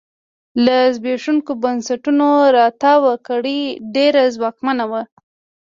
له زبېښونکو بنسټونو راتاوه کړۍ ډېره ځواکمنه وه.